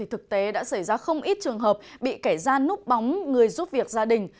thực tế đã xảy ra không ít trường hợp bị kẻ gian núp bóng người giúp việc gia đình